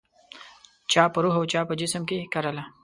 چا په روح او چا په جسم کې کرله